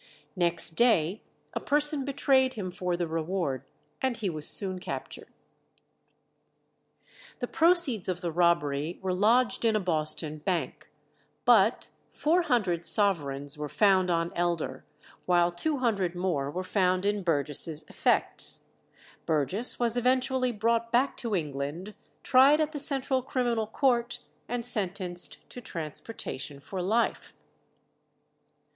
Next day a person betrayed him for the reward, and he was soon captured. The proceeds of the robbery were lodged in a Boston bank, but four hundred sovereigns were found on Elder, while two hundred more were found in Burgess' effects. Burgess was eventually brought back to England, tried at the Central Criminal Court, and sentenced to transportation for life.